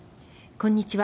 こんにちは。